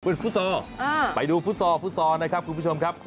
คุณฟุตซอร์ไปดูฟุตซอร์ฟุตซอร์นะครับคุณผู้ชมครับ